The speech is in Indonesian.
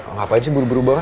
ngapain sih buru buru banget